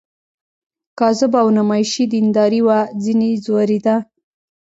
کاذبه او نمایشي دینداري وه ځنې ځورېده.